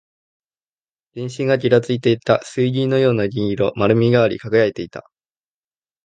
全身がぎらついていた。水銀のような銀色。丸みがあり、輝いていた。